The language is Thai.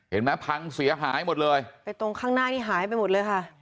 เห็นไหมพังเสียหายหมดเลยไปตรงข้างหน้านี่หายไปหมดเลยค่ะ